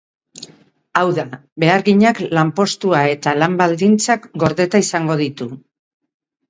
Hau da, beharginak lanpostua eta lan-baldintzak gordeta izango ditu.